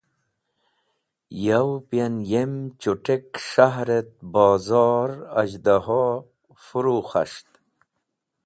Yowep yan yem chut̃ek s̃hahr et bozor az̃hdaho furu khas̃ht.